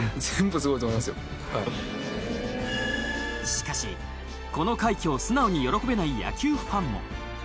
しかしこの快挙を素直に喜べない野球ファンも。